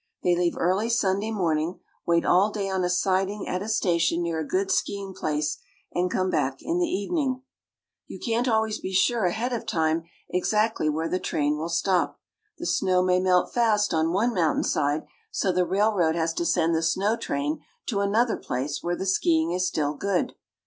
They leave early Sunday morning, wait all day on a siding at a station near a good skiing place, and come back in the evening. You can't always be sure ahead of time exactly where the train will stop. The snow may melt fast on one mountainside, so the railroad has to send the snow train to another place where the skiing is still good.